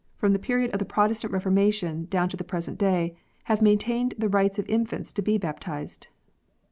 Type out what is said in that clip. from the period of the Protestant Reformation down to the present day, have maintained the rights of infants to be bap tized.